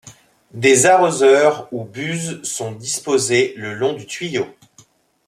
Des arroseurs ou buses sont disposés le long du tuyau.